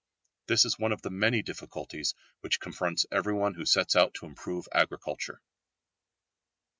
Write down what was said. This is one of the many difficulties which confronts everyone who sets out to improve agriculture.